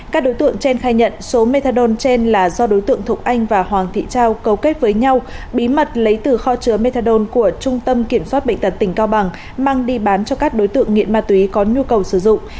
các đối tượng trên khai nhận số methadon trên là do đối tượng thục anh và hoàng thị trao cấu kết với nhau bí mật lấy từ kho chứa methadone của trung tâm kiểm soát bệnh tật tỉnh cao bằng mang đi bán cho các đối tượng nghiện ma túy có nhu cầu sử dụng